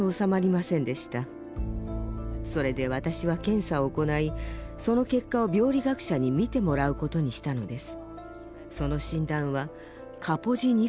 それで私は検査を行いその結果を病理学者に見てもらうことにしたのです。